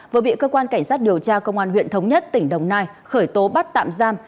vừa bị cơ quan cảnh sát điều tra công an huyện thống nhất tỉnh đồng nai khởi tố bắt tạm giam